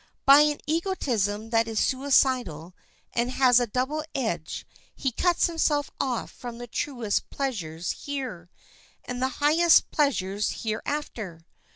By an egotism that is suicidal and has a double edge he cuts himself off from the truest pleasures here, and the highest pleasures hereafter.